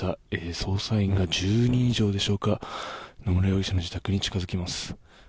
捜査員が１０人以上野村容疑者の自宅に近づきます。